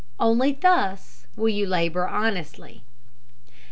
Only thus will you labour honestly.